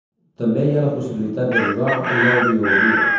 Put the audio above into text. També hi ha la possibilitat de llogar una audioguia.